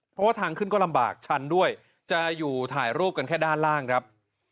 เพราะว่าทางขึ้นก็ลำบากชันด้วยจะอยู่ถ่ายรูปกันแค่ด้านล่างครับ